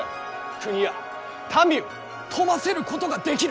国や民を富ませることができる！